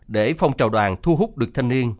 để phong trào đoàn thu hút được thanh niên